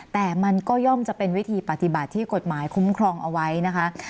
แต่มันก็ย่อมจะเป็นวิธีปฏิบัติที่กฎหมายคุ้มครองเอาไว้นะคะ